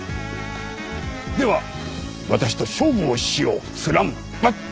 では私と勝負をしようスランプ！